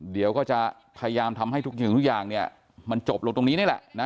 เดี๋ยวก็จะพยายามทำให้ทุกอย่างมันจบลงตรงนี้นี่แหละ